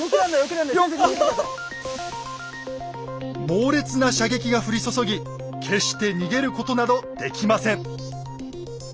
猛烈な射撃が降り注ぎ決して逃げることなどできません。